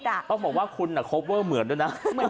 ต้องบอกว่าคุณโคเวอร์เหมือนด้วยนะ